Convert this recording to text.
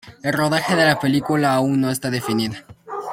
El rodaje de la película aún no está definida.